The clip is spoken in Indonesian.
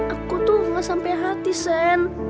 aku tuh ga sampe hati sen